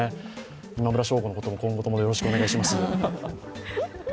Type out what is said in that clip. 今村翔吾のことも今後ともよろしくお願いします。